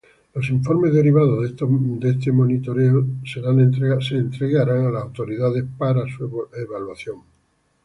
Los informes derivados de este monitoreo serán entregados a las autoridades para su evaluación.